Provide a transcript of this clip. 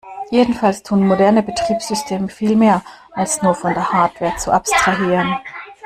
Jedenfalls tun moderne Betriebssysteme viel mehr, als nur von der Hardware zu abstrahieren.